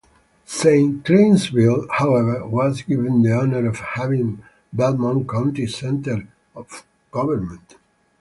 Saint Clairsville, however, was given the honor of having Belmont County's center of government.